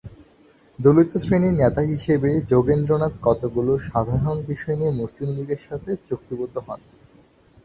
দলিত শ্রেণীর নেতা হিসেবে যোগেন্দ্রনাথ কতকগুলো সাধারণ বিষয় নিয়ে মুসলিম লীগের সাথে চুক্তিবদ্ধ হন।